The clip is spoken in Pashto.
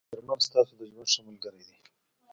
مېرمن ستاسو د ژوند ښه ملګری دی